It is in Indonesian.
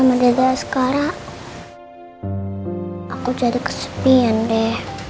aku jadi kesepian deh